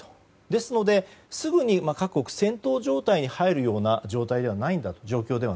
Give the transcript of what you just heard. ですので、すぐに各国、戦闘状態に入るような状況ではないんだと。